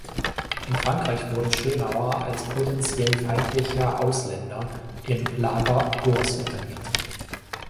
In Frankreich wurde Schönauer als potentiell "feindlicher Ausländer" im Lager Gurs interniert.